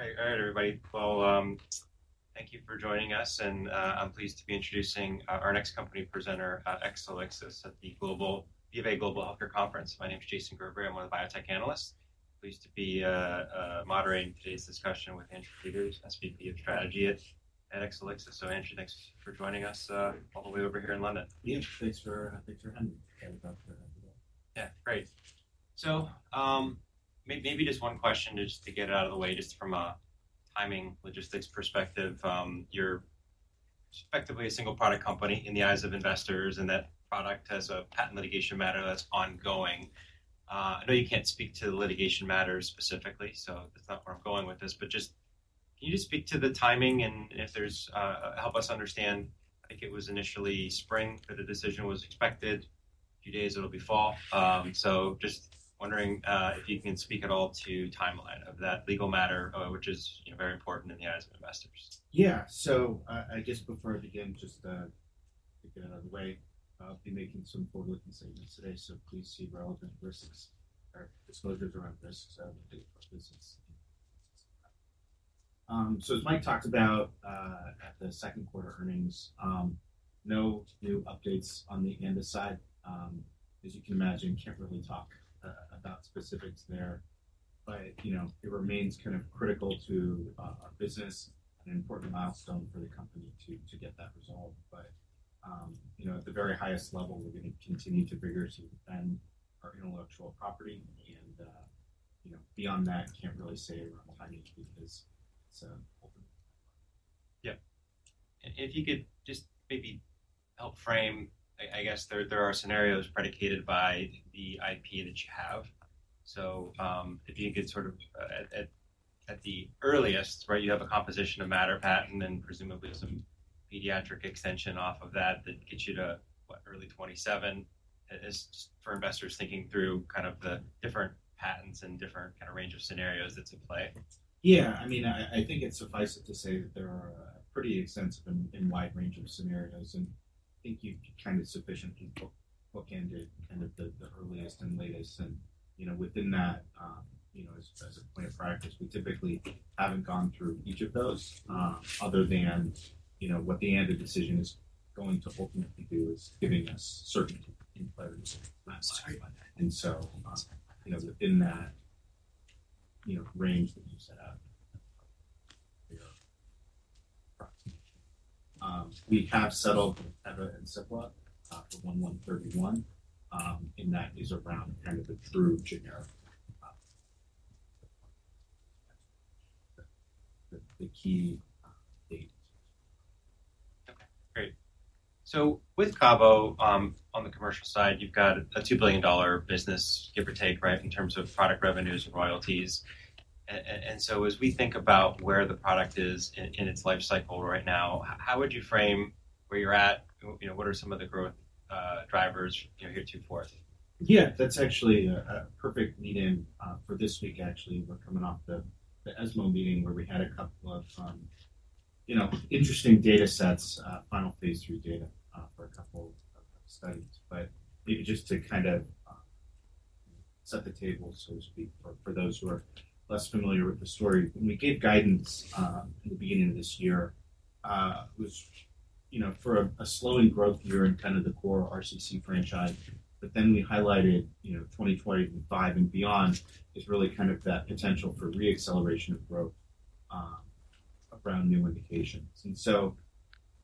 All right. All right, everybody. Well, thank you for joining us, and, I'm pleased to be introducing, our next company presenter, Exelixis, at the BofA Global Healthcare Conference. My name is Jason Gerberry. I'm one of the biotech analysts. Pleased to be moderating today's discussion with Andrew Peters, SVP of Strategy at Exelixis. So Andrew, thanks for joining us, all the way over here in London. Yeah. Thanks for having me. Yeah, great. So, maybe just one question just to get it out of the way, just from a timing, logistics perspective, you're effectively a single-product company in the eyes of investors, and that product has a patent litigation matter that's ongoing. I know you can't speak to the litigation matter specifically, so that's not where I'm going with this, but just, can you just speak to the timing and if there's... Help us understand, I think it was initially spring, that the decision was expected, a few days, it'll be fall. So just wondering, if you can speak at all to the timeline of that legal matter, which is, you know, very important in the eyes of investors. Yeah, so I guess before I begin, just to get it out of the way, I'll be making some forward-looking statements today, so please see relevant risks or disclosures around risks of the business, so as Mike talked about at the second quarter earnings, no new updates on the ANDA side. As you can imagine, can't really talk about specifics there, but you know, it remains kind of critical to our business and an important milestone for the company to get that resolved, but you know, at the very highest level, we're going to continue to vigorously defend our intellectual property and you know, beyond that, I can't really say around the timing because it's open. Yeah. And if you could just maybe help frame, I guess there are scenarios predicated by the IP that you have. So, if you could get sort of at the earliest, right, you have a composition of matter patent and then presumably some pediatric extension off of that, that gets you to, what, early 2027? As for investors thinking through kind of the different patents and different kind of range of scenarios that's in play. Yeah, I mean, I think it's suffice it to say that there are a pretty extensive and wide range of scenarios, and I think you've kind of sufficiently bookended kind of the earliest and latest and, you know, within that, you know, as a point of practice, we typically haven't gone through each of those, other than, you know, what the ANDA decision is going to ultimately do is giving us certainty and clarity. And so, you know, within that, you know, range that you set out. We have settled with Teva and Cipla for 1/1/31, and that is around kind of the true generic, the key date. Okay, great. So with Cabo, on the commercial side, you've got a $2 billion business, give or take, right, in terms of product revenues and royalties. And so as we think about where the product is in its life cycle right now, how would you frame where you're at? You know, what are some of the growth drivers, you know, henceforth? Yeah, that's actually a perfect lead-in for this week, actually. We're coming off the ESMO meeting, where we had a couple of, you know, interesting data sets, final phase III data for a couple of studies. But maybe just to kind of set the table, so to speak, for those who are less familiar with the story, when we gave guidance in the beginning of this year, it was, you know, for a slowing growth year in kind of the core RCC franchise. But then we highlighted, you know, 2025 and beyond is really kind of that potential for reacceleration of growth around new indications. And so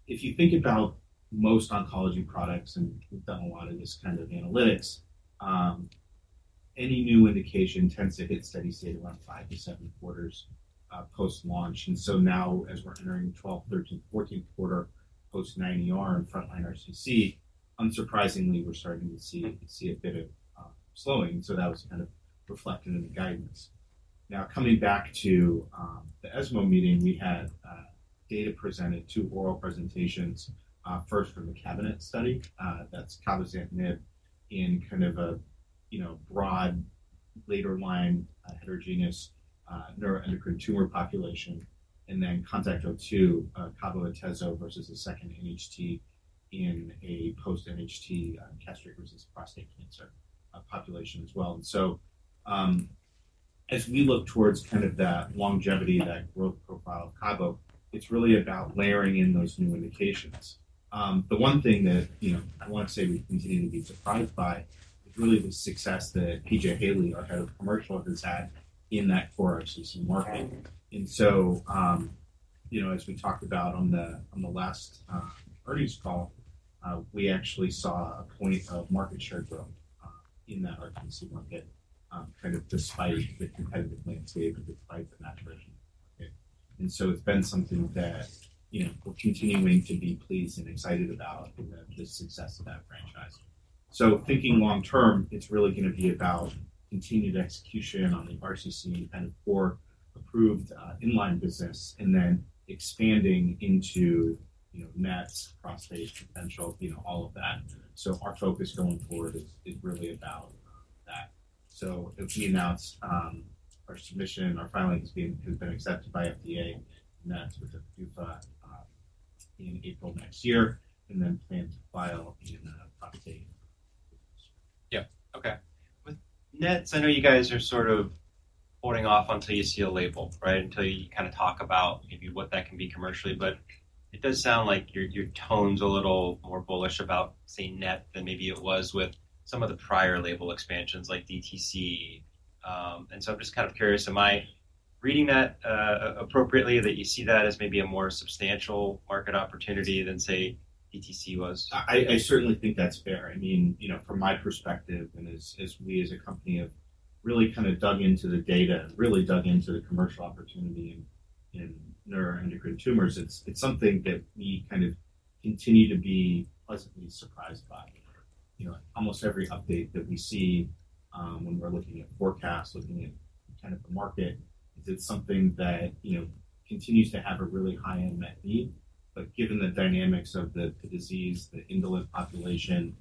if you think about most oncology products, and we've done a lot of this kind of analytics, any new indication tends to hit steady state around five to seven quarters post-launch. And so now, as we're entering twelfth, thirteenth, 14th quarter post-2L and frontline RCC, unsurprisingly, we're starting to see a bit of slowing. So that was kind of reflected in the guidance. Now, coming back to the ESMO meeting, we had data presented, two oral presentations, first from the CABINET study, that's cabozantinib in kind of a you know broad later line heterogeneous neuroendocrine tumor population, and then CONTACT-02, cabozantinib versus a second NHT in a post-NHT castration-resistant prostate cancer population as well. As we look towards kind of that longevity, that growth profile of Cabo, it's really about layering in those new indications. The one thing that, you know, I want to say we continue to be surprised by is really the success that P.J. Haley, our Head of Commercial, has had in that core RCC market. We talked about on the last earnings call, we actually saw a point of market share growth in that RCC market, kind of despite the competitive landscape and despite the maturation. It's been something that, you know, we're continuing to be pleased and excited about the success of that franchise. So thinking long term, it's really going to be about continued execution on the RCC and for approved in-line business, and then expanding into, you know, mets, prostate potential, you know, all of that. Our focus going forward is really about that. If we announce our submission, our filing has been accepted by FDA, and that's with a PDUFA in April next year, and then plan to file in prostate. Yeah. Okay. With NETs, I know you guys are sort of holding off until you see a label, right? Until you kind of talk about maybe what that can be commercially, but it does sound like your, your tone's a little more bullish about, say, NET than maybe it was with some of the prior label expansions, like DTC. And so I'm just kind of curious, am I reading that appropriately, that you see that as maybe a more substantial market opportunity than, say, DTC was? I certainly think that's fair. I mean, you know, from my perspective, and as we as a company have really kind of dug into the data and really dug into the commercial opportunity in neuroendocrine tumors, it's something that we kind of continue to be pleasantly surprised by. You know, almost every update that we see, when we're looking at forecasts, looking at kind of the market, is it's something that, you know, continues to have a really high unmet need, but given the dynamics of the disease, the indolent population,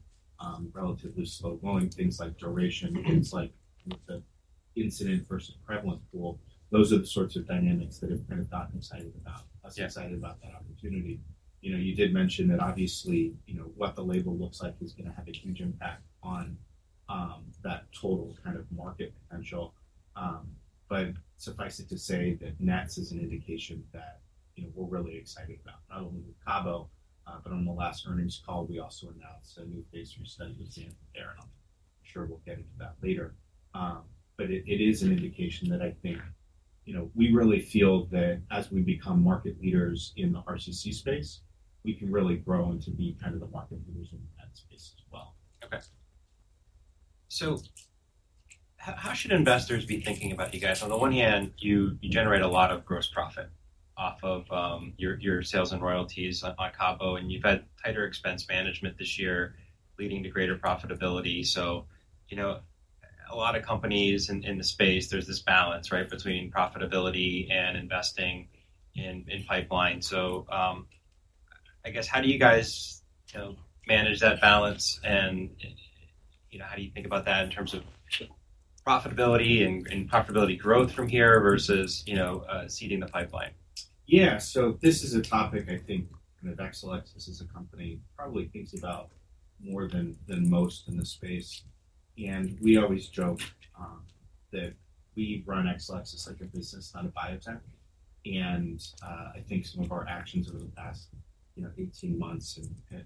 relatively slow growing, things like duration, things like with the incidence versus prevalent pool, those are the sorts of dynamics that have kind of got me excited about, us excited about that opportunity. You know, you did mention that obviously, you know, what the label looks like is going to have a huge impact on, that total kind of market potential. But suffice it to say that NETs is an indication that, you know, we're really excited about, not only with Cabo, but on the last earnings call, we also announced a new phase III study with zanzalintinib, and I'm sure we'll get into that later. But it is an indication that I think, you know, we really feel that as we become market leaders in the RCC space, we can really grow to be kind of the market leaders in that space as well. Okay. So how should investors be thinking about you guys? On the one hand, you generate a lot of gross profit off of your sales and royalties on Cabo, and you've had tighter expense management this year, leading to greater profitability. So, you know, a lot of companies in the space, there's this balance, right, between profitability and investing in pipeline. So, I guess, how do you guys, you know, manage that balance, and, you know, how do you think about that in terms of profitability and profitability growth from here versus, you know, seeding the pipeline? Yeah. So this is a topic I think kind of Exelixis, as a company, probably thinks about more than most in the space. And we always joke that we run Exelixis like a business, not a biotech. And I think some of our actions over the last, you know, eighteen months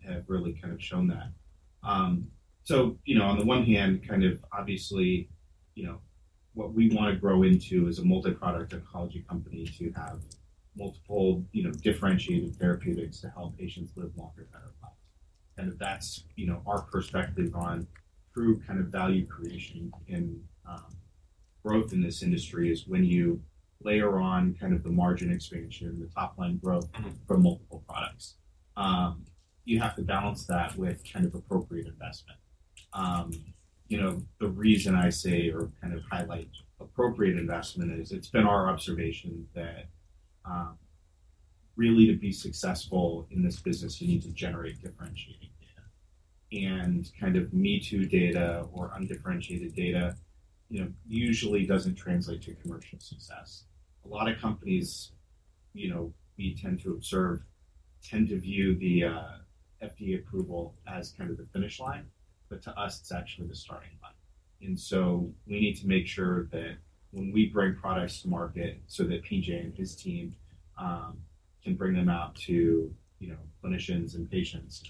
have really kind of shown that. So, you know, on the one hand, kind of obviously, you know, what we want to grow into is a multi-product oncology company to have multiple, you know, differentiated therapeutics to help patients live longer, better lives. And that's, you know, our perspective on true kind of value creation in growth in this industry is when you layer on kind of the margin expansion and the top-line growth from multiple products. You have to balance that with kind of appropriate investment. You know, the reason I say or kind of highlight appropriate investment is it's been our observation that, really, to be successful in this business, you need to generate differentiating data. And kind of me-too data or undifferentiated data, you know, usually doesn't translate to commercial success. A lot of companies, you know, we tend to observe, tend to view the FDA approval as kind of the finish line, but to us, it's actually the starting line. And so we need to make sure that when we bring products to market so that PJ and his team can bring them out to, you know, clinicians and patients,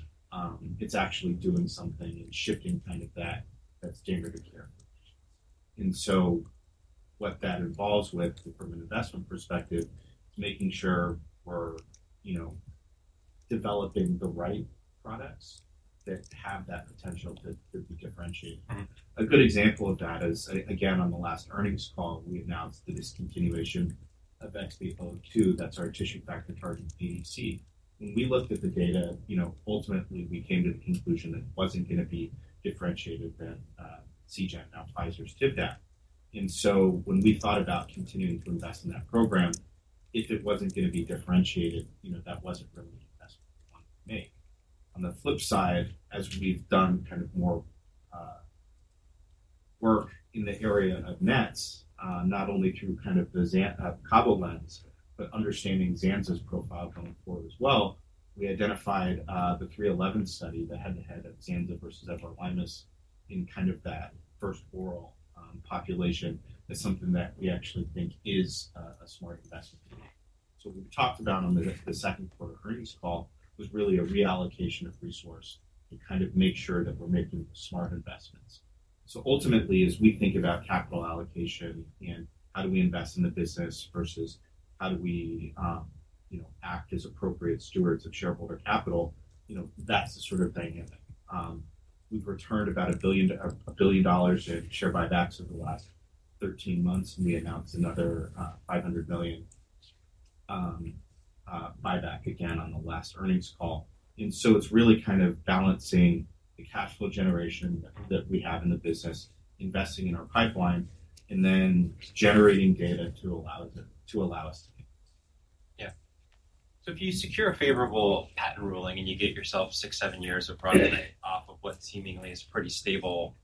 it's actually doing something and shifting kind of that, that standard of care. And so what that involves with, from an investment perspective, is making sure we're, you know, developing the right products that have that potential to, to be differentiated. A good example of that is, again, on the last earnings call, we announced the discontinuation of XB002, that's our tissue factor targeting ADC. When we looked at the data, you know, ultimately, we came to the conclusion that it wasn't going to be differentiated than Seagen, now Pfizer's Tivdak. And so when we thought about continuing to invest in that program, if it wasn't going to be differentiated, you know, that wasn't really the investment we wanted to make. On the flip side, as we've done kind of more work in the area of NETs, not only through kind of the Xanza, CaboMETYX, but understanding Xanza's profile going forward as well, we identified the STELLAR-311 study, the head-to-head of Xanza versus everolimus, in kind of that first oral population, as something that we actually think is a smart investment. So what we talked about on the second quarter earnings call was really a reallocation of resource to kind of make sure that we're making smart investments. So ultimately, as we think about capital allocation and how do we invest in the business versus how do we, you know, act as appropriate stewards of shareholder capital, you know, that's the sort of dynamic. We've returned about $1 billion in share buybacks over the last 13 months, and we announced another $500 million buyback again on the last earnings call. And so it's really kind of balancing the cash flow generation that we have in the business, investing in our pipeline, and then generating data to allow us to. Yeah. So if you secure a favorable patent ruling and you get yourself six, seven years of product life off of what seemingly is a pretty stable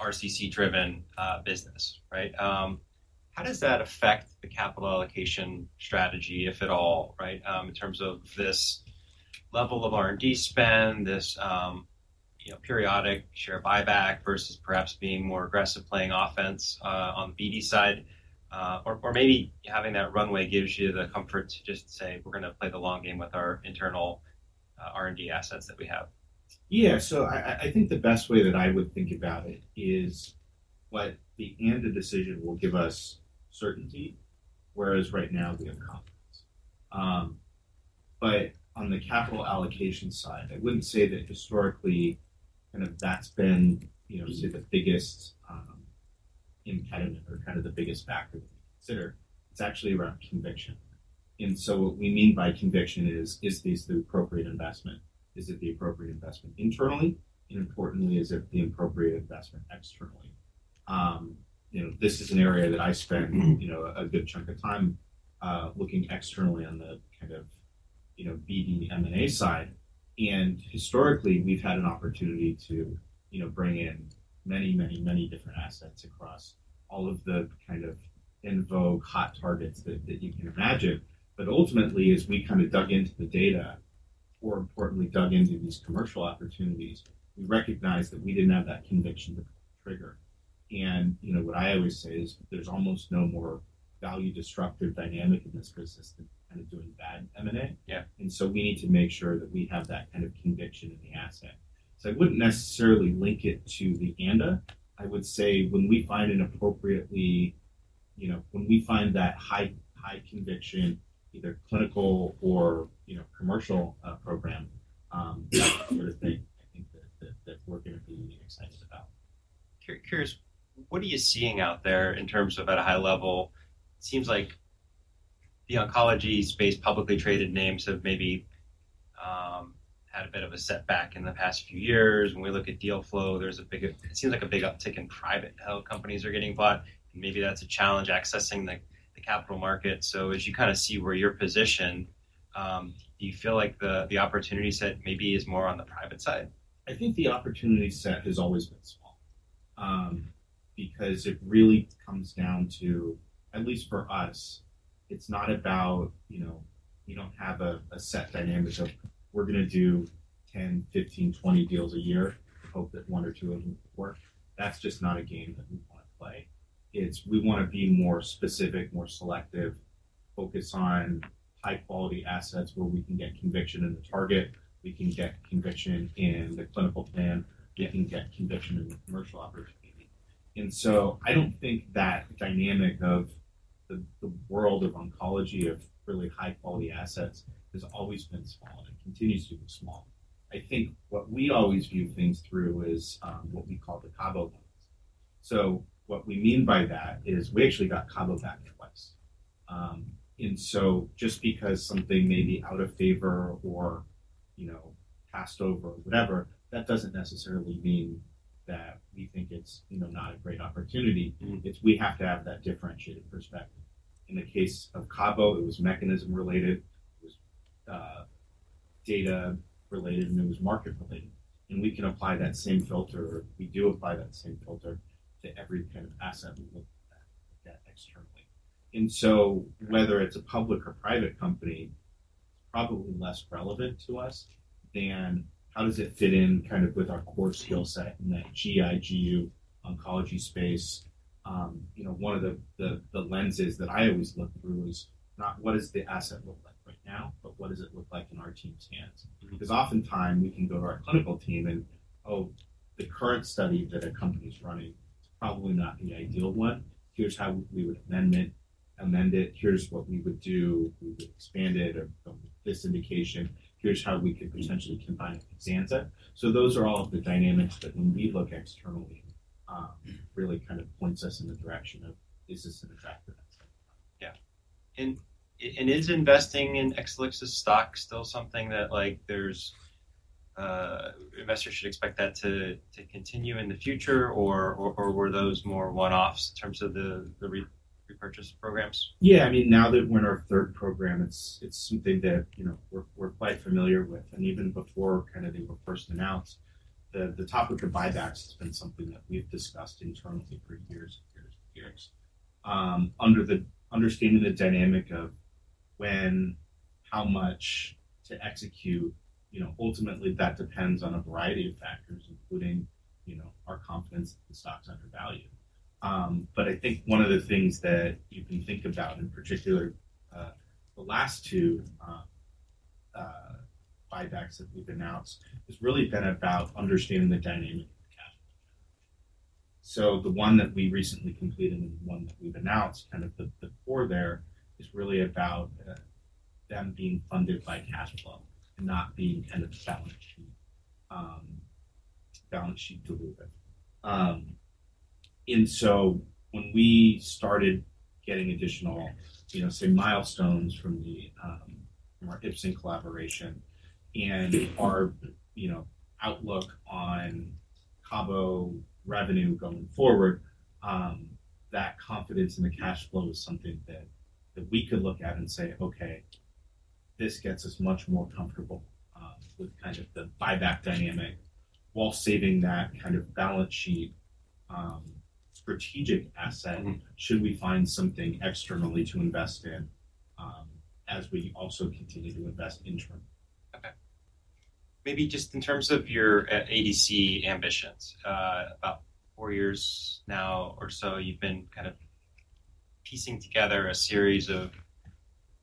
RCC-driven business, right? How does that affect the capital allocation strategy, if at all, right? In terms of this level of R&D spend, this, you know, periodic share buyback versus perhaps being more aggressive, playing offense on the BD side, or maybe having that runway gives you the comfort to just say, "We're going to play the long game with our internal R&D assets that we have. Yeah. So I think the best way that I would think about it is what the ANDA decision will give us certainty, whereas right now, we have confidence. But on the capital allocation side, I wouldn't say that historically, kind of that's been, you know, say, the biggest, or kind of the biggest factor to consider. It's actually around conviction. And so what we mean by conviction is this the appropriate investment? Is it the appropriate investment internally, and importantly, is it the appropriate investment externally? You know, this is an area that I spent, you know, a good chunk of time looking externally on the kind of, you know, BD, M&A side. And historically, we've had an opportunity to, you know, bring in many, many, many different assets across all of the kind of in vogue, hot targets that, that you can imagine. But ultimately, as we dug into the data, more importantly, dug into these commercial opportunities, we recognized that we didn't have that conviction to trigger. And, you know, what I always say is, there's almost no more value disruptive dynamic in this business than doing bad M&A. Yeah. And so we need to make sure that we have that kind of conviction in the asset. So I wouldn't necessarily link it to the ANDA. I would say when we find an appropriately... You know, when we find that high, high conviction, either clinical or, you know, commercial, program, that's the thing I think that we're going to be excited about. Curious, what are you seeing out there in terms of at a high level? It seems like the oncology space, publicly traded names, have maybe had a bit of a setback in the past few years. When we look at deal flow, there's a big, it seems like a big uptick in private health companies are getting bought, and maybe that's a challenge accessing the capital market. So as you kind of see where your position, do you feel like the opportunity set maybe is more on the private side? I think the opportunity set has always been small, because it really comes down to, at least for us, it's not about, you know, we don't have a set dynamic of, "We're going to do 10, 15, 20 deals a year and hope that one or two of them work." That's just not a game that we want to play. It's, we want to be more specific, more selective, focus on high-quality assets where we can get conviction in the target, we can get conviction in the clinical plan, we can get conviction in the commercial opportunity. And so I don't think that dynamic of the world of oncology, of really high-quality assets, has always been small and continues to be small. I think what we always view things through is, what we call the Cabo lens. So what we mean by that is we actually got Cabo back twice, and so just because something may be out of favor or, you know, passed over or whatever, that doesn't necessarily mean that we think it's, you know, not a great opportunity. Mm-hmm. It's we have to have that differentiated perspective. In the case of Cabo, it was mechanism-related, it was data-related, and it was market-related. And we can apply that same filter, or we do apply that same filter to every kind of asset we look at externally. And so- Mm-hmm. Whether it's a public or private company, it's probably less relevant to us than how does it fit in kind of with our core skill set in that GI, GU, oncology space. You know, one of the lenses that I always look through is not what does the asset look like right now, but what does it look like in our team's hands? Mm-hmm. Because oftentimes, we can go to our clinical team and, oh, the current study that a company is running, it's probably not the ideal one. Here's how we would amend it. Here's what we would do. We would expand it of this indication. Here's how we could potentially combine Zanza. So those are all of the dynamics that when we look externally, really kind of points us in the direction of, is this an attractive asset? Yeah. And is investing in Exelixis' stock still something that, like, investors should expect that to continue in the future, or were those more one-offs in terms of the repurchase programs? Yeah, I mean, now that we're in our third program, it's something that, you know, we're quite familiar with, and even before kind of they were first announced, the topic of buybacks has been something that we've discussed internally for years and years and years. Under the understanding, the dynamic of when, how much to execute, you know, ultimately, that depends on a variety of factors, including, you know, our confidence that the stock is undervalued, but I think one of the things that you can think about, in particular, the last two buybacks that we've announced has really been about understanding the dynamic of the capital. So the one that we recently completed and the one that we've announced, kind of the core there is really about them being funded by cash flow and not being end of the balance sheet, balance sheet dilutive. And so when we started getting additional, you know, say, milestones from our Ipsen collaboration and our, you know, outlook on Cabo revenue going forward, that confidence in the cash flow is something that we could look at and say, "Okay." This gets us much more comfortable with kind of the buyback dynamic while saving that kind of balance sheet, strategic asset. Mm-hmm. Should we find something externally to invest in, as we also continue to invest internally. Okay. Maybe just in terms of your, ADC ambitions, about four years now or so, you've been kind of piecing together a series of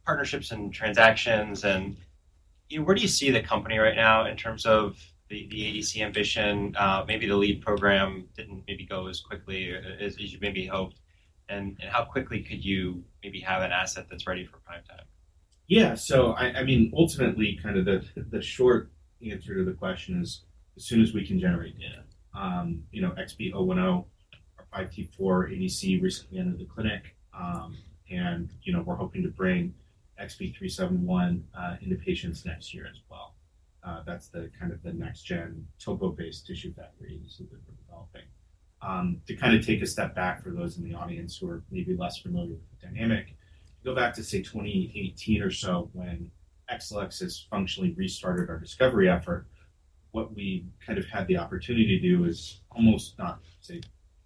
partnerships and transactions, and where do you see the company right now in terms of the, the ADC ambition? Maybe the lead program didn't maybe go as quickly as, as you maybe hoped, and, and how quickly could you maybe have an asset that's ready for prime time? Yeah. I mean, ultimately, kind of the short answer to the question is as soon as we can generate data. You know, XB010, our 5T4 ADC, recently entered the clinic, and, you know, we're hoping to bring XB371 into patients next year as well. That's the kind of the next gen topo-based tissue factor that we're developing. To kind of take a step back for those in the audience who are maybe less familiar with the dynamic, go back to, say, 2018 or so when Exelixis functionally restarted our discovery effort, what we kind of had the opportunity to do is almost not say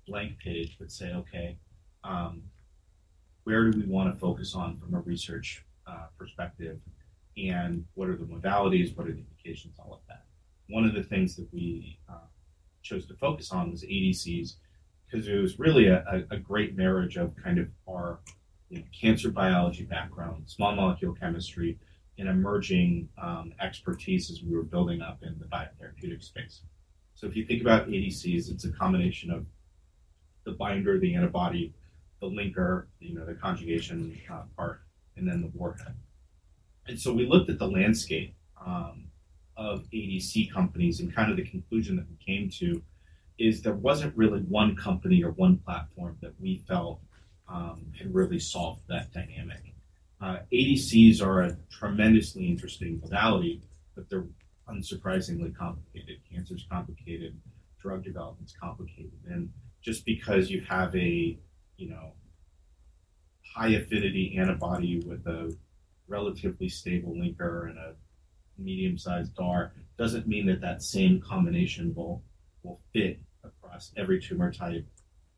blank page, but say, "Okay, where do we want to focus on from a research perspective, and what are the modalities? What are the indications, all of that. One of the things that we chose to focus on was ADCs, because it was really a great marriage of kind of our cancer biology background, small molecule chemistry, and emerging expertise as we were building up in the biotherapeutic space. So if you think about ADCs, it's a combination of the binder, the antibody, the linker, you know, the conjugation part, and then the warhead. And so we looked at the landscape of ADC companies, and kind of the conclusion that we came to is there wasn't really one company or one platform that we felt had really solved that dynamic. ADCs are a tremendously interesting modality, but they're unsurprisingly complicated. Cancer's complicated, drug development's complicated, and just because you have a, you know, high-affinity antibody with a relatively stable linker and a medium-sized DAR, doesn't mean that that same combination will fit across every tumor type,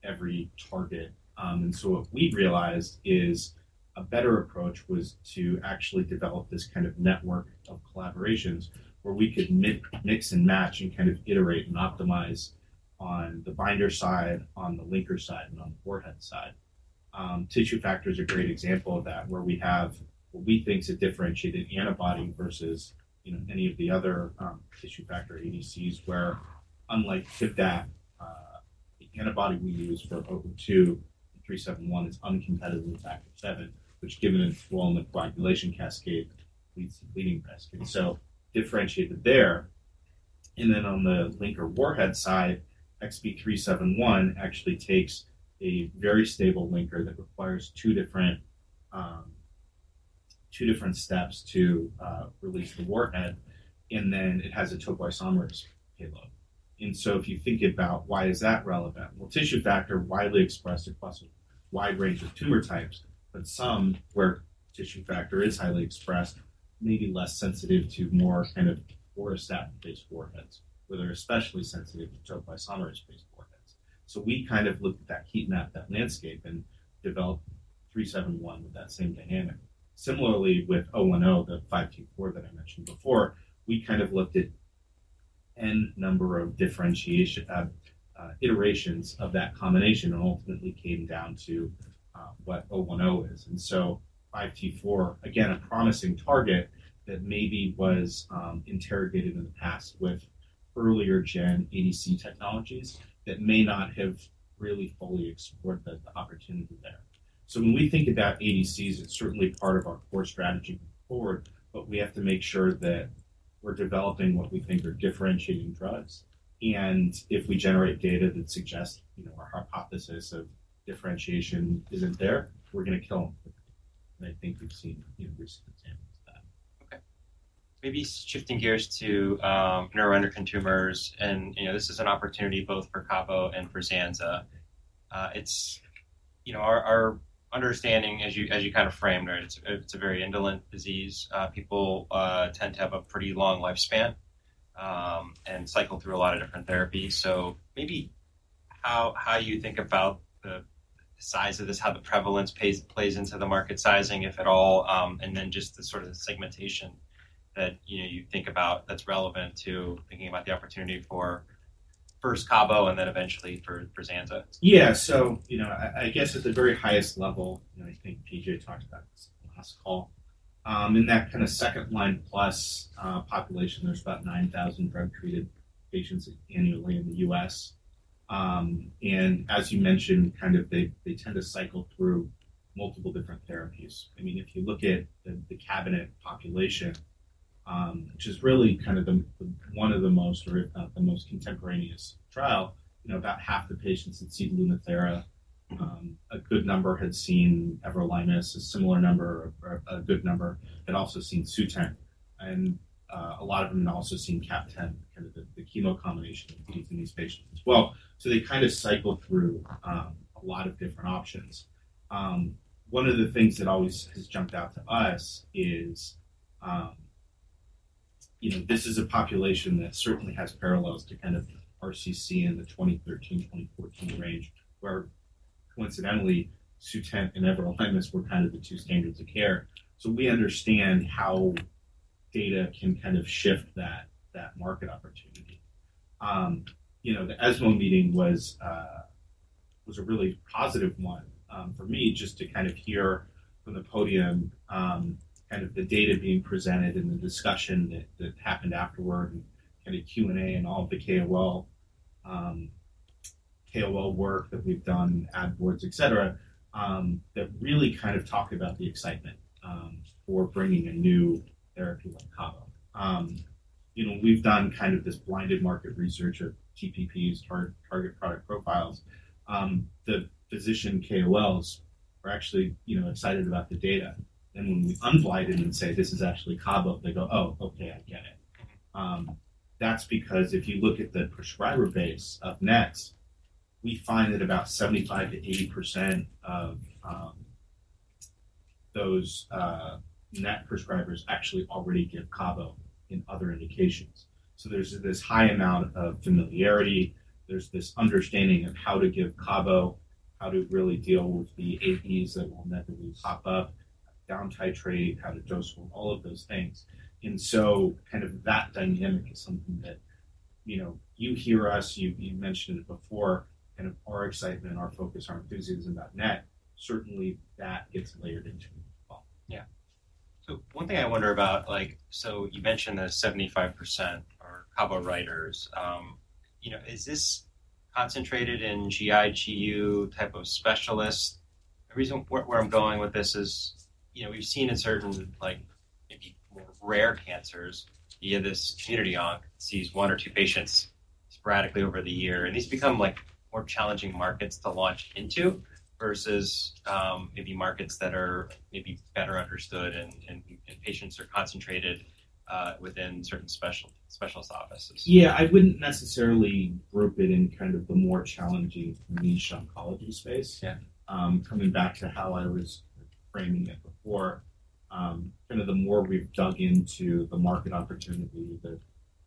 every target. And so what we've realized is a better approach was to actually develop this kind of Network of collaborations where we could mix and match and kind of iterate and optimize on the binder side, on the linker side, and on the warhead side. Tissue factor is a great example of that, where we have what we think is a differentiated antibody versus, you know, any of the other tissue factor ADCs, where, unlike Tivdak, the antibody we use for XB371 is uncompetitive with factor seven, which, given its role in the coagulation cascade, leads to bleeding risk, and so differentiated there. And then on the linker warhead side, XB371 actually takes a very stable linker that requires two different steps to release the warhead, and then it has a topoisomerase payload. And so if you think about why is that relevant? Well, tissue factor, widely expressed across a wide range of tumor types, but somewhere tissue factor is highly expressed, may be less sensitive to more kind of auristatin-based warheads, where they're especially sensitive to topoisomerase-based warheads. So we kind of looked at that heat map, that landscape, and developed 371 with that same dynamic. Similarly, with 010, the 5T4 that I mentioned before, we kind of looked at a number of differentiation iterations of that combination and ultimately came down to what 010 is. And so 5T4, again, a promising target that maybe was interrogated in the past with earlier gen ADC technologies that may not have really fully explored the opportunity there. So when we think about ADCs, it's certainly part of our core strategy going forward, but we have to make sure that we're developing what we think are differentiating drugs, and if we generate data that suggests, you know, our hypothesis of differentiation isn't there, we're going to kill them. And I think we've seen, you know, recent examples of that. Okay. Maybe shifting gears to neuroendocrine tumors, and, you know, this is an opportunity both for Cabo and for Xanza. It's, you know, our understanding as you kind of framed it, it's a very indolent disease. People tend to have a pretty long lifespan, and cycle through a lot of different therapies. So maybe how you think about the size of this, how the prevalence plays into the market sizing, if at all, and then just the sort of segmentation that, you know, you think about that's relevant to thinking about the opportunity for first, Cabo, and then eventually for Xanza. Yeah. So, you know, I guess at the very highest level, and I think PJ talked about this last call, in that kind of second-line plus population, there's about nine thousand drug-treated patients annually in the U.S. And as you mentioned, kind of they tend to cycle through multiple different therapies. I mean, if you look at the CABINET population, which is really kind of the most contemporaneous trial, you know, about half the patients had seen Lutathera, a good number had seen everolimus, a similar number, or a good number, had also seen Sutent... and a lot of them have also seen CAPTEM, kind of the chemo combination in these patients as well. So they cycle through a lot of different options. One of the things that always has jumped out to us is, you know, this is a population that certainly has parallels to kind of RCC in the 2013, 2014 range, where coincidentally, Sutent and everolimus were the two standards of care, so we understand how data can kind of shift that market opportunity. You know, the ESMO meeting was a really positive one for me, just to kind of hear from the podium kind of the data being presented and the discussion that happened afterward, and the Q&A and all of the KOL work that we've done, ad boards, et cetera, that really kind of talked about the excitement for bringing a new therapy like Cabo. You know, we've done this blinded market research of TPPs, Target Product Profiles. The physician KOLs are actually, you know, excited about the data. And when we unblind it and say, "This is actually Cabo," they go, "Oh, okay, I get it." That's because if you look at the prescriber base of NET, we find that about 75%-80% of those NET prescribers actually already give Cabo in other indications. So there's this high amount of familiarity. There's this understanding of how to give Cabo, how to really deal with the AEs that will inevitably pop up, down titrate, how to dose them, all of those things. And so kind of that dynamic is something that, you know, you, you mentioned it before, and our excitement, our focus, our enthusiasm about NET, certainly that gets layered into as well. Yeah. So one thing I wonder about, like, so you mentioned that 75% are Cabo writers. You know, is this concentrated in GI, GU type of specialists? The reason where, where I'm going with this is, you know, we've seen in certain, like, maybe more rare cancers, you have this community oncs see one or two patients sporadically over the year, and these become, like, more challenging markets to launch into versus, maybe markets that are maybe better understood and patients are concentrated within certain specialist offices. Yeah, I wouldn't necessarily group it in kind of the more challenging niche oncology space. Yeah. Coming back to how I was framing it before, the more we've dug into the market opportunity, the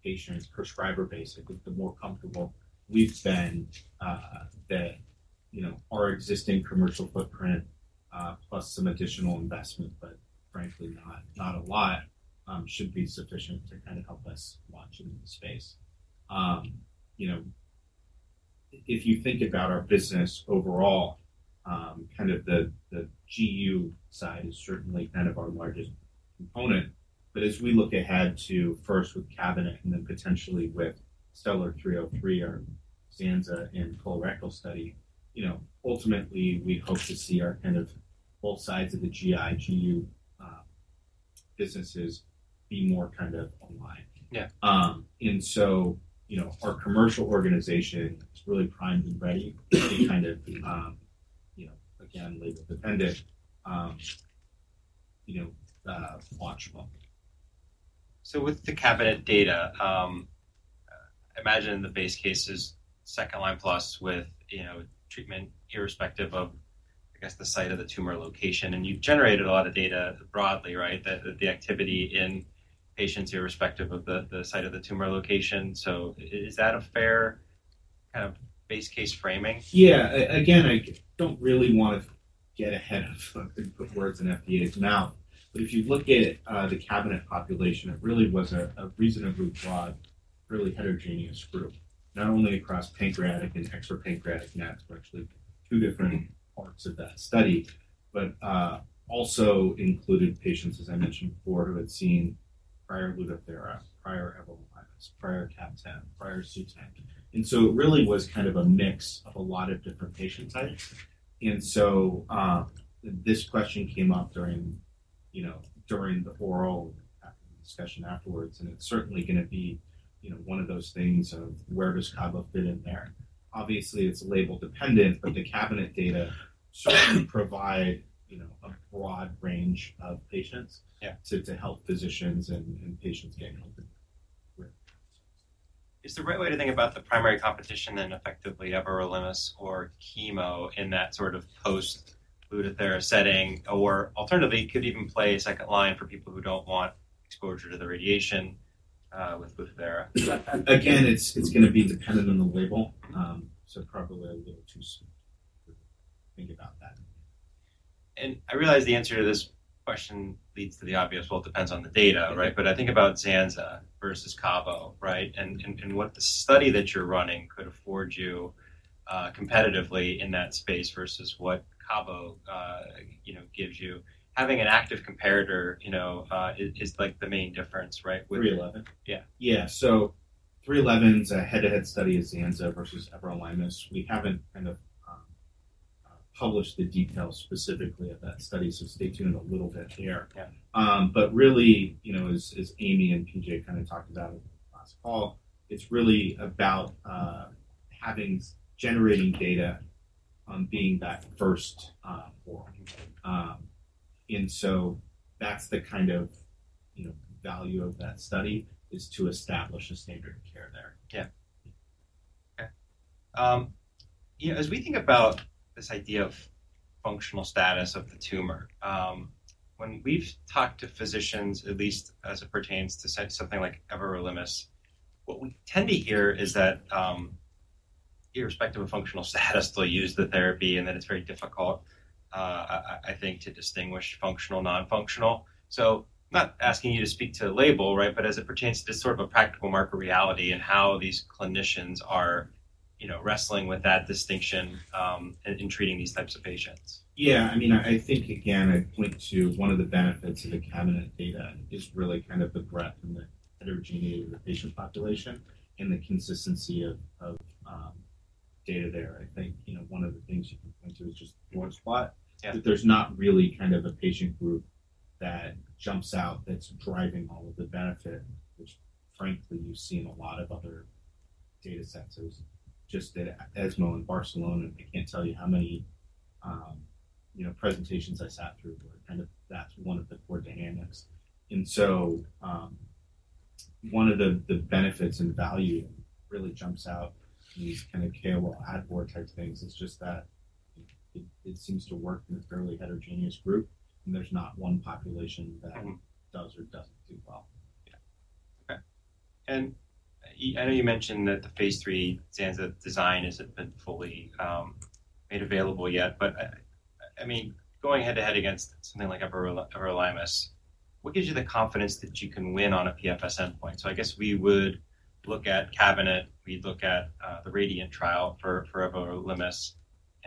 patients, prescriber base, I think the more comfortable we've been, that, you know, our existing commercial footprint, plus some additional investment, but frankly, not a lot, should be sufficient to kind of help us launch into the space. You know, if you think about our business overall, kind of the GU side is certainly kind of our largest component. But as we look ahead to first with CABINET and then potentially with STELLAR-303, our Xanza and colorectal study, you know, ultimately, we hope to see our kind of both sides of the GI, GU, businesses be more kind of online. Yeah. And so, you know, our commercial organization is really primed and ready to be kind of, you know, again, label-dependent, you know, launchable. So with the CABINET data, I imagine in the base cases, second line plus with, you know, treatment, irrespective of, I guess, the site of the tumor location, and you've generated a lot of data broadly, right? That the activity in patients, irrespective of the site of the tumor location. So is that a fair kind of base case framing? Yeah. Again, I don't really want to get ahead of, put words in FDA's mouth, but if you look at the CABINET population, it really was a reasonably broad, fairly heterogeneous group, not only across pancreatic and extra-pancreatic NETs, were actually two different parts of that study, but also included patients, as I mentioned before, who had seen prior Lutathera, prior everolimus, prior CAPTEM, prior Sutent. And so it really was kind of a mix of a lot of different patient types. And so this question came up during, you know, during the oral discussion afterwards, and it's certainly going to be, you know, one of those things of where does Cabo fit in there? Obviously, it's label dependent, but the CABINET data certainly provide, you know, a broad range of patients- Yeah -to help physicians and patients get healthy. Is the right way to think about the primary competition, then, effectively everolimus or chemo in that sort of post Lutathera setting, or alternatively, could even play a second line for people who don't want exposure to the radiation, with Lutathera? Again, it's going to be dependent on the label, so probably a little too soon to think about that. I realize the answer to this question leads to the obvious, well, it depends on the data, right? But I think about Xanza versus Cabo, right, and what the study that you're running could afford you competitively in that space versus what Cabo you know gives you. Having an active comparator, you know is like the main difference, right? 311. Yeah. Yeah. So 311's a head-to-head study of Xanza versus everolimus. We haven't kind of published the details specifically of that study, so stay tuned a little bit here. Yeah. But really, you know, as Amy and PJ kind of talked about it last fall, it's really about generating data on being that first, or, and so that's the kind of, you know, value of that study, is to establish a standard of care there. Yeah. Okay. You know, as we think about this idea of functional status of the tumor, when we've talked to physicians, at least as it pertains to something like everolimus, what we tend to hear is that, irrespective of functional status, they'll use the therapy and that it's very difficult, I think, to distinguish functional, non-functional. So not asking you to speak to the label, right, but as it pertains to sort of a practical marker reality and how these clinicians are, you know, wrestling with that distinction, in treating these types of patients. Yeah, I mean, I think, again, I point to one of the benefits of the CABINET data is really kind of the breadth and the heterogeneity of the patient population and the consistency of data there. I think, you know, one of the things you can point to is just one spot. Yeah. That there's not really kind of a patient group that jumps out, that's driving all of the benefit, which frankly, you've seen a lot of other data sets. There was just at ESMO in Barcelona. I can't tell you how many, you know, presentations I sat through, where kind of that's one of the core dynamics. And so, one of the benefits and value really jumps out in these kind of KOL ad board-type things, is just that it, it seems to work in a fairly heterogeneous group, and there's not one population- Mm-hmm. -that does or doesn't do well. Yeah. Okay. And I know you mentioned that the phase III Xanza design isn't been fully made available yet, but I mean, going head-to-head against something like everolimus, what gives you the confidence that you can win on a PFS endpoint? So I guess we would look at CABINET, we'd look at the RADIANT trial for everolimus.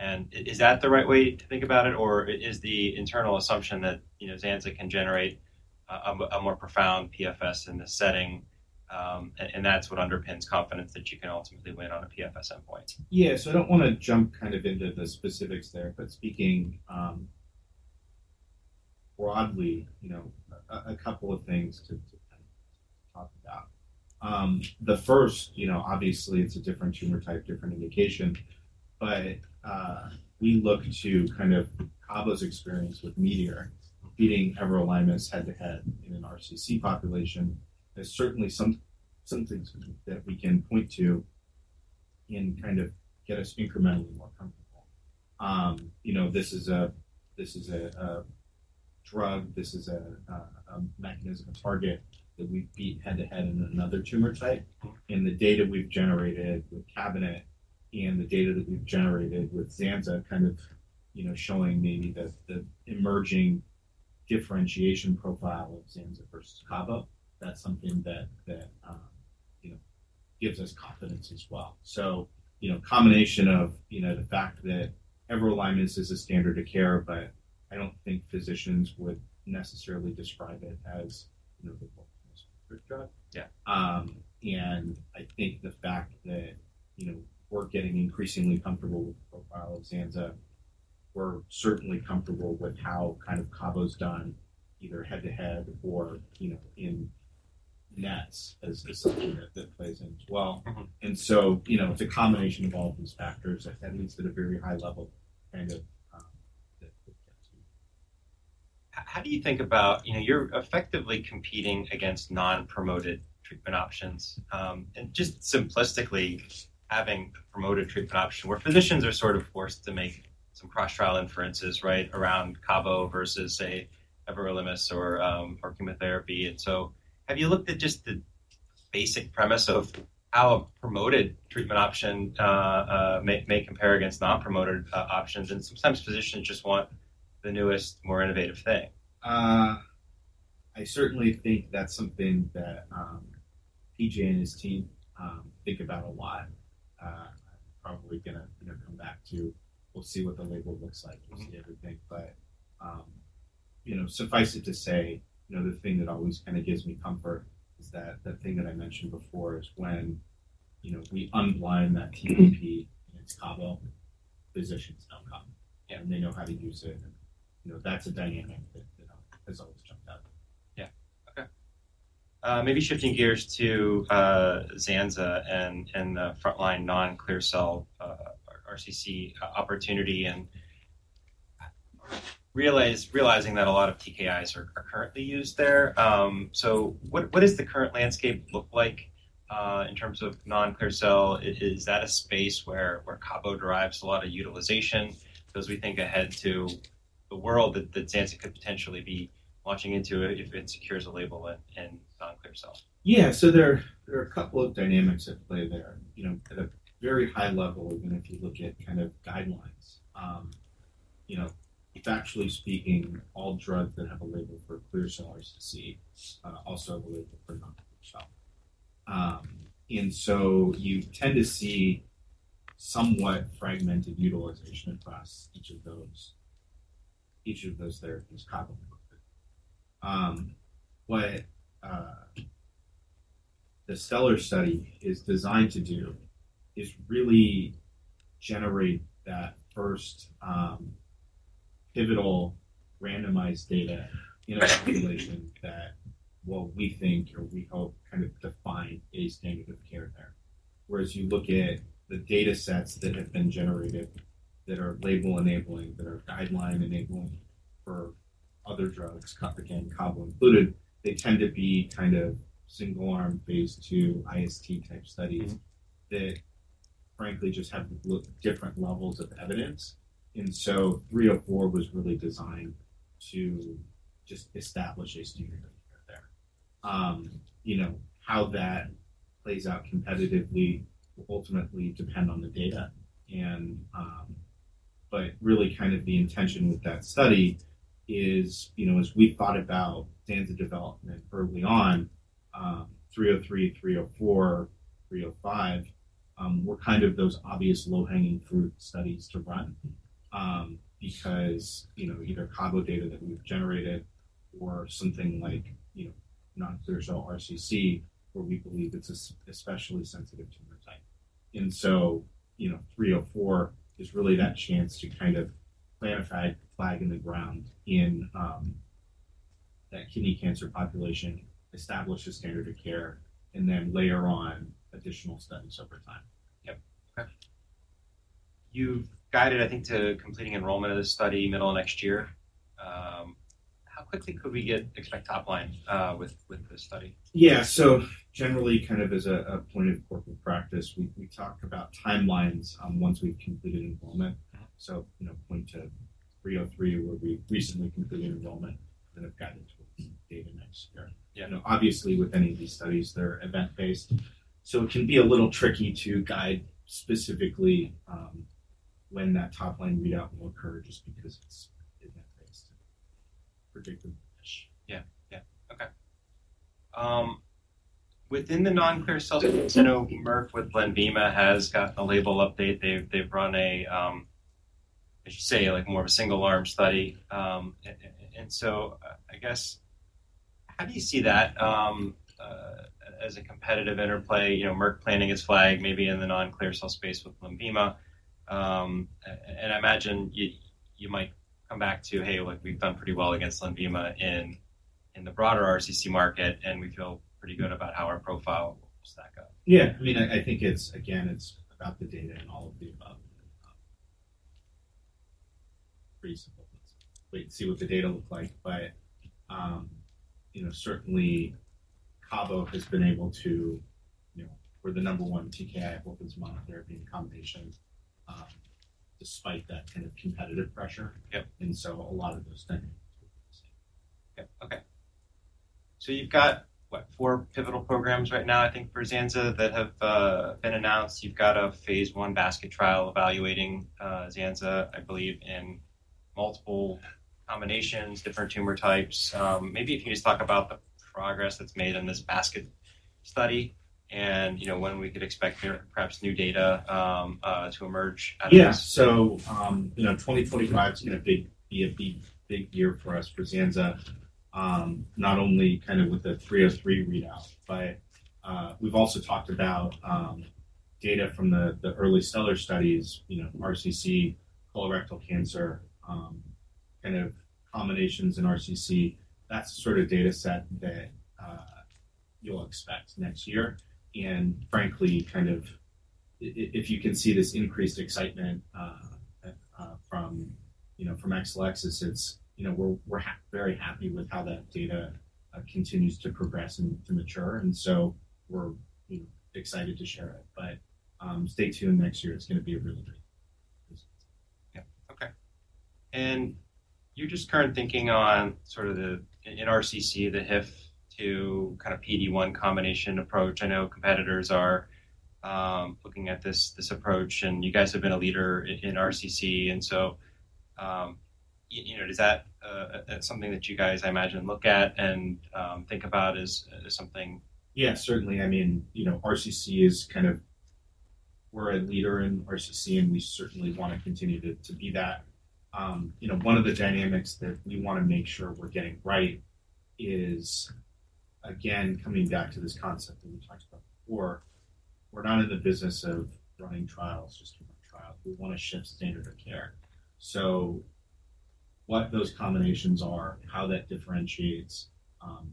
And is that the right way to think about it, or is the internal assumption that, you know, Xanza can generate a more profound PFS in this setting, and that's what underpins confidence that you can ultimately win on a PFS endpoint? Yeah. So I don't want to jump kind of into the specifics there, but speaking broadly, you know, a couple of things to talk about. The first, you know, obviously, it's a different tumor type, different indication, but we look to kind of Cabo's experience with METEOR, beating everolimus head-to-head in an RCC population. There's certainly some things that we can point to and kind of get us incrementally more comfortable. You know, this is a drug, this is a mechanism, a target that we beat head-to-head in another tumor type. And the data we've generated with CABINET and the data that we've generated with Xanza kind of, you know, showing maybe the emerging differentiation profile of Xanza versus Cabo, that's something that gives us confidence as well. So, you know, combination of, you know, the fact that everolimus is a standard of care, but I don't think physicians would necessarily describe it as, you know, the first drug. Yeah. And I think the fact that, you know, we're getting increasingly comfortable with the profile of Xanza. We're certainly comfortable with how kind of Cabo's done, either head-to-head or, you know, in NETs as something that plays in as well. Mm-hmm. You know, it's a combination of all of these factors, I think, at least at a very high level, kind of, that gets you. How do you think about... You know, you're effectively competing against non-promoted treatment options, and just simplistically, having a promoted treatment option where physicians are sort of forced to make some cross-trial inferences, right, around Cabo versus, say, everolimus or, or chemotherapy. And so, have you looked at just the basic premise of how a promoted treatment option may compare against non-promoted options? And sometimes physicians just want the newest, more innovative thing. I certainly think that's something that P.J. and his team think about a lot. Probably gonna, you know, come back to. We'll see what the label looks like. Mm-hmm. We'll see everything, but you know, suffice it to say, you know, the thing that always kind of gives me comfort is that the thing that I mentioned before is when, you know, we unblind that TPP, and it's Cabo, physicians know Cabo. Yeah. They know how to use it, and, you know, that's a dynamic that, you know, has always jumped out. Yeah. Okay. Maybe shifting gears to Xanza and the frontline non-clear cell RCC opportunity, and realizing that a lot of TKIs are currently used there. So what does the current landscape look like in terms of non-clear cell? Is that a space where Cabo derives a lot of utilization? Because we think ahead to the world that Xanza could potentially be launching into if it secures a label in non-clear cell. Yeah. So there are a couple of dynamics at play there. You know, at a very high level, even if you look at kind of guidelines, you know, factually speaking, all drugs that have a label for clear cell RCC also have a label for non-clear cell. And so you tend to see somewhat fragmented utilization across each of those therapies, Cabo. What the STELLAR study is designed to do is really generate that first pivotal randomized data in a population that what we think or we hope kind of define a standard of care there. Whereas you look at the data sets that have been generated, that are label-enabling, that are guideline-enabling for other drugs, again, Cabo included, they tend to be kind of single-arm, phase II, IST-type studies that frankly just have different levels of evidence. 304 was really designed to just establish a standard of care there. You know, how that plays out competitively will ultimately depend on the data, and but really kind of the intention with that study is, you know, as we thought about Xanza development early on, 303, 304, 305, were kind of those obvious low-hanging fruit studies to run. Because, you know, either Cabo data that we've generated or something like, you know, non-clear cell RCC, where we believe it's especially sensitive tumor type. 304 is really that chance to kind of plant a flag in the ground in that kidney cancer population, establish a standard of care, and then layer on additional studies over time. Yep. Okay. You've guided, I think, to completing enrollment of the study middle of next year. How quickly could we expect top line, with, with this study? Yeah. So generally, kind of as a point of corporate practice, we talk about timelines once we've completed enrollment. Yeah. You know, 303, where we recently completed enrollment and have gotten towards the data next year. Yeah. Obviously, with any of these studies, they're event-based, so it can be a little tricky to guide specifically, when that top-line readout will occur, just because it's event-based, predictable-ish. Yeah. Yeah. Okay. Within the non-clear cell, I know Merck with Lenvima has gotten a label update. They've run a, I should say, like, more of a single-arm study. And so I guess, how do you see that as a competitive interplay? You know, Merck planting its flag, maybe in the non-clear cell space with Lenvima. And I imagine you might come back to, "Hey, look, we've done pretty well against Lenvima in the broader RCC market, and we feel pretty good about how our profile will stack up. Yeah, I mean, I think it's, again, it's about the data and all of the above. Pretty simple. Wait and see what the data look like, but you know, certainly, Cabo has been able to, you know... We're the number one TKI, both as monotherapy and combinations, despite that kind of competitive pressure. Yep. And so a lot of those things. Yeah. Okay. So you've got, what, four pivotal programs right now, I think, for Xanza, that have been announced. You've got a phase I basket trial evaluating Xanza, I believe, in multiple combinations, different tumor types. Maybe if you just talk about the progress that's made in this basket study and, you know, when we could expect perhaps new data to emerge out of this? Yeah. So, you know, 2025 is going to be a big year for us for Xanza, not only kind of with the 303 readout, but we've also talked about data from the early STELLAR studies, you know, RCC, colorectal cancer, kind of combinations in RCC. That's the sort of data set that you'll expect next year, and frankly, kind of if you can see this increased excitement from, you know, from Exelixis, it's, you know, we're very happy with how that data continues to progress and to mature, and so we're, you know, excited to share it, but stay tuned next year. It's going to be a really great. Yeah. Okay. And your just current thinking on sort of the, in RCC, the HIF-2 kind of PD-1 combination approach. I know competitors are looking at this approach, and you guys have been a leader in RCC, and so, you know, is that something that you guys, I imagine, look at and think about as something? Yeah, certainly. I mean, you know, RCC is kind of. We're a leader in RCC, and we certainly want to continue to be that. You know, one of the dynamics that we want to make sure we're getting right is, again, coming back to this concept that we talked about before, we're not in the business of running trials just to run trials. We want to shift standard of care. So what those combinations are and how that differentiates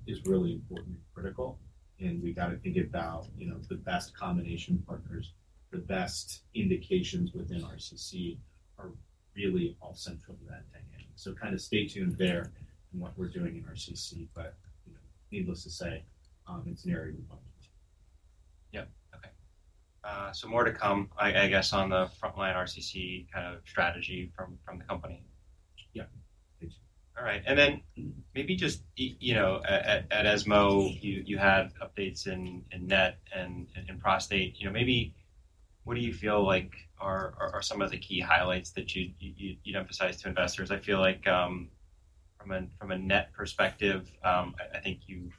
is really important and critical, and we got to think about, you know, the best combination partners, the best indications within RCC are really all central to that dynamic. So kind of stay tuned there in what we're doing in RCC, but, you know, needless to say, it's an area we're watching. Yeah. Okay. So more to come, I guess, on the frontline RCC kind of strategy from the company. Yeah. All right. And then maybe just you know, at ESMO, you had updates in Net and in prostate, you know, maybe what do you feel like are some of the key highlights that you'd emphasize to investors? I feel like from a Net perspective, I think you've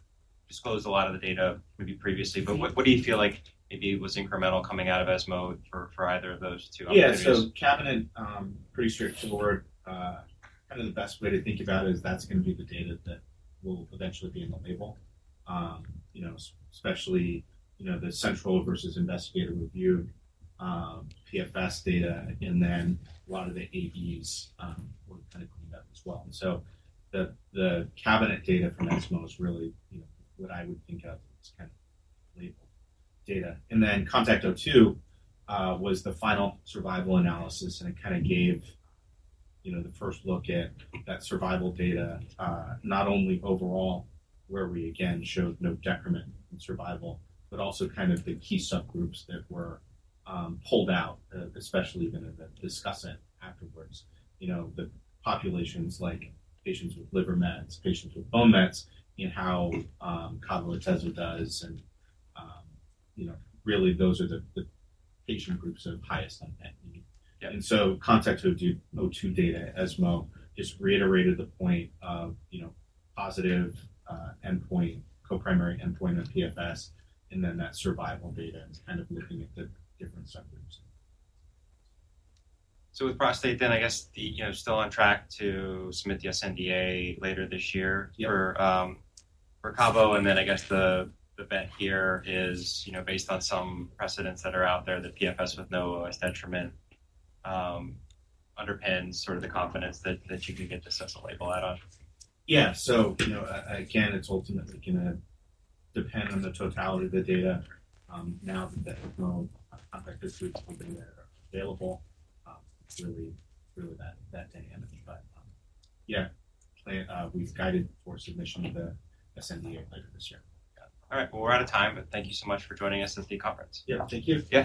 disclosed a lot of the data maybe previously, but what do you feel like maybe was incremental coming out of ESMO for either of those two opportunities? Yeah, so CABINET, pretty straightforward. Kind of the best way to think about it is that's going to be the data that will eventually be in the label. You know, especially, you know, the central versus investigator review, PFS data, and then a lot of the AEs, were kind of cleaned up as well. And so the, the CABINET data from ESMO is really, you know, what I would think of as kind of label data. And then CONTACT-02, was the final survival analysis, and it kind of gave, you know, the first look at that survival data, not only overall, where we again showed no decrement in survival, but also kind of the key subgroups that were, pulled out, especially going to be discussing afterwards. You know, the populations like patients with liver mets, patients with bone mets, and how Cabo-Lenvima does, and, you know, really those are the patient groups of highest unmet need. Yeah. And so CONTACT-02 data, ESMO just reiterated the point of, you know, positive co-primary endpoint and PFS, and then that survival data and kind of looking at the different subgroups. So with prostate, then, I guess, you know, still on track to submit the sNDA later this year. Yeah... for Cabo, and then I guess the bet here is, you know, based on some precedents that are out there, the PFS with no OS detriment underpins sort of the confidence that you can get this as a label add-on. Yeah. So, you know, again, it's ultimately going to depend on the totality of the data, now that the CONTACT-02 is available, it's really that dynamic. But, yeah, we've guided for submission of the sNDA later this year. Yeah. All right, well, we're out of time, but thank you so much for joining us at the conference. Yeah, thank you. Yeah.